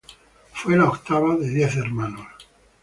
Fue la octava de diez hermanos.